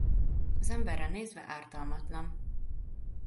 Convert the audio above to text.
Az emberre nézve ártalmatlan.